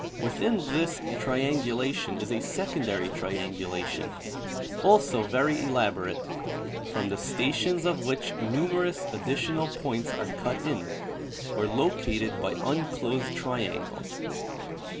Within this triangulation is a secondary triangulation, also very elaborate, from the stations of which numerous additional points are cut in, or located by un closed triangles.